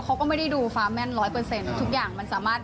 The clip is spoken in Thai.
แต่ว่าฟ้าแม่น๑๐๐ทุกอย่างมันสามารถ